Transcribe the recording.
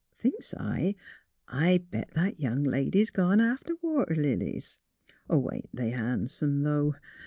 Thinks I, I bet that young lady's gone after water lilies. Ain't they han'some though?